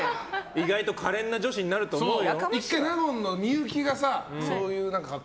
意外と可憐な女子になると思うよ。